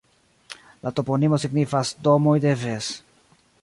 La toponimo signifas Domoj de Ves.